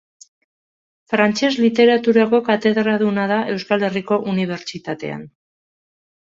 Frantses Literaturako katedraduna da Euskal Herriko Unibertsitatean.